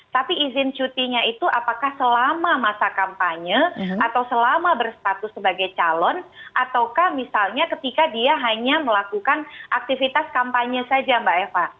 tapi izin cutinya itu apakah selama masa kampanye atau selama berstatus sebagai calon ataukah misalnya ketika dia hanya melakukan aktivitas kampanye saja mbak eva